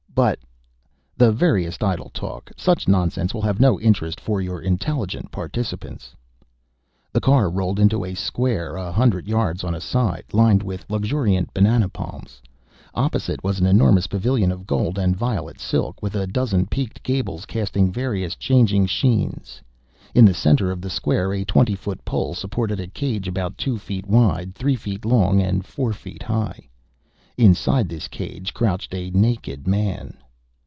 "But ..." "The veriest idle talk. Such nonsense will have no interest for your intelligent participants." The car rolled into a square a hundred yards on a side, lined with luxuriant banana palms. Opposite was an enormous pavilion of gold and violet silk, with a dozen peaked gables casting various changing sheens. In the center of the square a twenty foot pole supported a cage about two feet wide, three feet long, and four feet high. Inside this cage crouched a naked man.